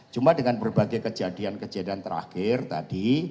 cuma dengan berbagai kejadian kejadian terakhir tadi